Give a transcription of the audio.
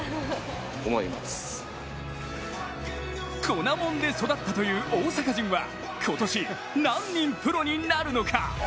粉もんで育ったという大阪人は今年、何人プロになるのか？